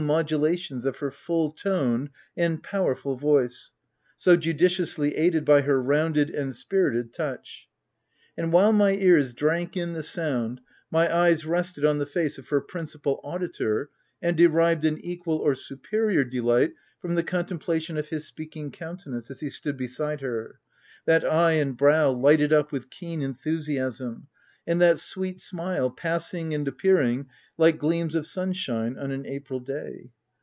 347 modulations of her full toned and powerful voice, so judiciously aided by her rounded and spirited touch ; and while my ears drank in the sound, my eyes rested on the face of her prin cipal auditor, and derived an equal or superior delight from the contemplation of his speaking countenance, as he stood beside her — that eye and brow lighted up with keen enthusiasm, and that sweet smile passing and appearing like gleams of sunshine on an April day.